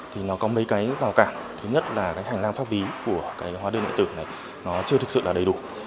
thì nó có mấy cái rào cản thứ nhất là cái hành lang pháp ví của cái hóa đơn điện tử này nó chưa thực sự là đầy đủ